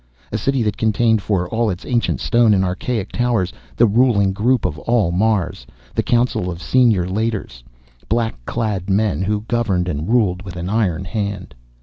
A City that contained, for all its ancient stone and archaic towers, the ruling group of all Mars, the Council of Senior Leiters, black clad men who governed and ruled with an iron hand.